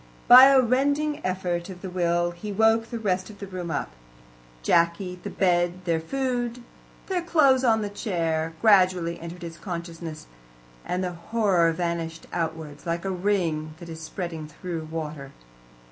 By a rending effort of the will he woke the rest of the room up. Jacky, the bed, their food, their clothes on the chair, gradually entered his consciousness, and the horror vanished outwards, like a ring that is spreading through water.